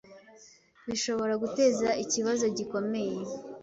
bishobora guteza ikibazo gikomeye